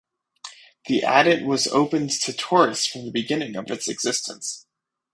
The adit was opened to tourists from the beginning of its existence.